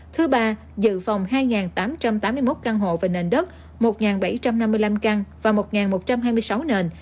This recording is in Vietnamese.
thứ ba dự phòng hai tám trăm tám mươi một căn hộ và nền đất một bảy trăm năm mươi năm căn và một một trăm hai mươi sáu nền